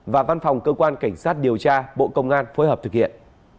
và văn phòng cơ quan cảnh sát điều tra bộ công an phối hợp thực hiện